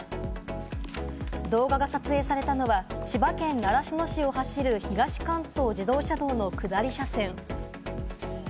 動画が撮影されたのは、千葉県習志野市を走る、東関東自動車道の下り車線。